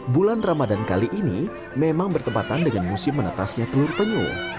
bulan ramadan kali ini memang bertempatan dengan musim menetasnya telur penyu